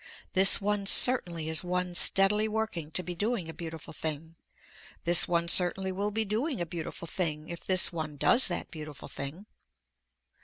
This one certainly is one steadily working to be doing a beautiful thing, this one certainly will be doing a beautiful thing if this one does that beautiful thing.